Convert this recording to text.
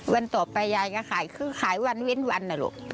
วันต่อไปยายก็ขายคือขายวันเว้นวันนะลูก